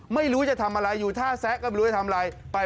ไม่รู้จะทำอะไรอยู่ท่าแซะก็ไม่รู้จะทำอะไร